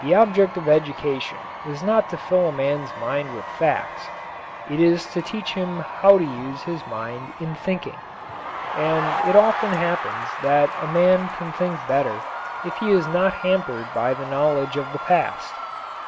The object of education is not to fill a man's mind with facts; it is to teach him how to use his mind in thinking. And it often happens that a man can think better if he is not hampered by the knowledge of the past.